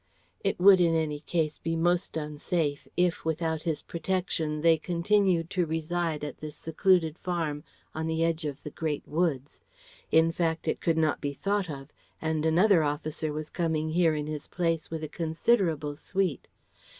It would in any case be most unsafe if, without his protection, they continued to reside at this secluded farm, on the edge of the great woods. In fact it could not be thought of, and another officer was coming here in his place with a considerable suite.